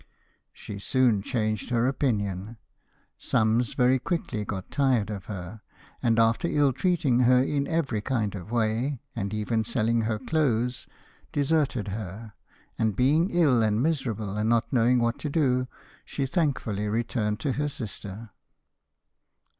She soon changed her opinion. Summs very quickly got tired of her; and after ill treating her in every kind of way, and even selling her clothes, deserted her, and being ill and miserable and not knowing what to do, she thankfully returned to her sister.